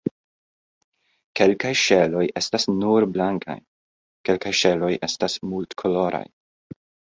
Kelkaj ŝeloj estas nur blankaj, kelkaj ŝeloj estas multkoloraj.